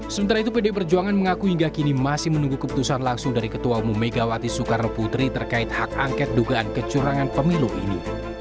sementara itu pdi perjuangan mengaku hingga kini masih menunggu keputusan langsung dari ketua umum megawati soekarno putri terkait hak angket dugaan kecurangan pemilu ini